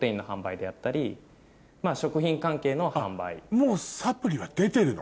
もうサプリは出てるの？